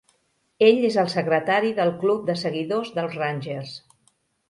Ell és el secretari del Club de Seguidors dels Rangers.